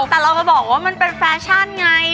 แต่เรามาบอกว่ามันเป็นแฟชั่นไง